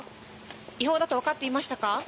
違法だと分かっていましたか？